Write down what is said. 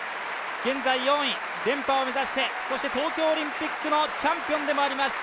現在、４位連覇を目指して、そして東京オリンピックのチャンピオンでもあります